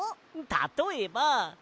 たとえば。